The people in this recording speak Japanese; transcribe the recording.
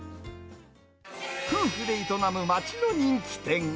夫婦で営む町の人気店。